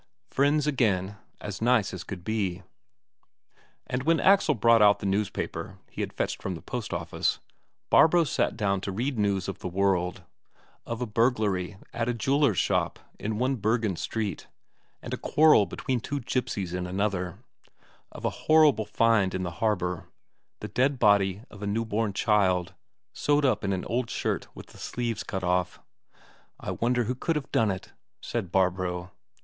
Friends again, as nice as could be. And when Axel brought out the newspaper he had fetched from the post office, Barbro sat down to read news of the world: of a burglary at a jeweller's shop in one Bergen street, and a quarrel between two gipsies in another; of a horrible find in the harbour the dead body of a newborn child sewed up in an old shirt with the sleeves cut off. "I wonder who can have done it?" said Barbro.